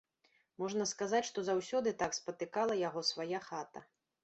Можна сказаць, што заўсёды так спатыкала яго свая хата.